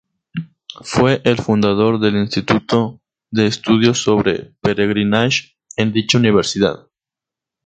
Fue el fundador del Instituto de Estudios sobre Peregrinaje en dicha universidad.